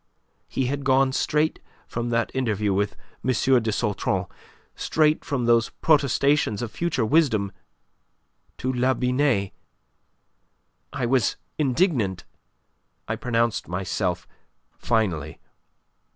He had gone straight from that interview with M. de Sautron, straight from those protestations of future wisdom, to La Binet. I was indignant. I pronounced myself finally.